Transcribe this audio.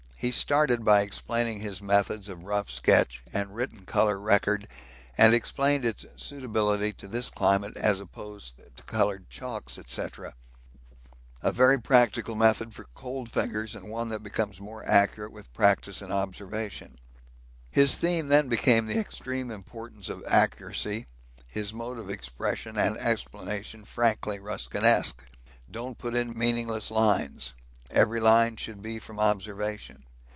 He started by explaining his methods of rough sketch and written colour record, and explained its suitability to this climate as opposed to coloured chalks, &c. a very practical method for cold fingers and one that becomes more accurate with practice in observation. His theme then became the extreme importance of accuracy, his mode of expression and explanation frankly Ruskinesque. Don't put in meaningless lines every line should be from observation.